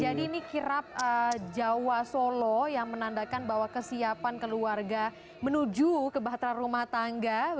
jadi ini kirap jawa solo yang menandakan bahwa kesiapan keluarga menuju kebahteraan rumah tangga